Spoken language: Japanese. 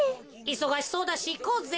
いそがしそうだしいこうぜ。